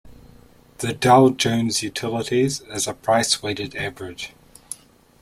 The Dow Jones Utilities is a price-weighted average.